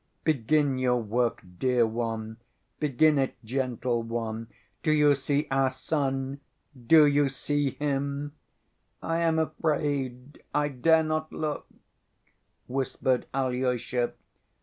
Begin your work, dear one, begin it, gentle one!... Do you see our Sun, do you see Him?" "I am afraid ... I dare not look," whispered Alyosha.